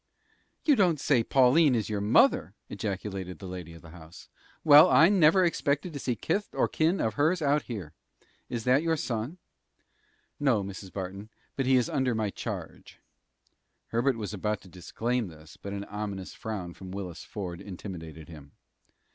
"You don't say Pauline is your mother?" ejaculated the lady of the house. "Well, I never expected to see kith or kin of hers out here. Is that your son?" "No, Mrs. Barton; but he is under my charge." Herbert was about to disclaim this, but an ominous frown from Willis Ford intimidated him.